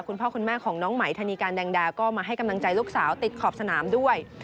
คุณพ่อคุณแม่ของน้องไหมธนีการแดงดาก็มาให้กำลังใจลูกสาวติดขอบสนามด้วย